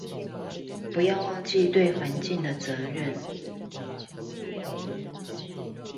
不要忘記對環境的責任